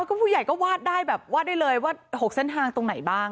แล้วก็ผู้ใหญ่ก็วาดได้แบบวาดได้เลยว่า๖เส้นทางตรงไหนบ้าง